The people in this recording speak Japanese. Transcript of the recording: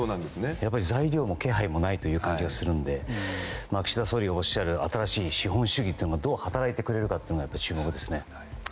材料も手配もないという感じですので岸田総理がおっしゃる新しい資本主義がどう働いてくれるかというのは注目ですね。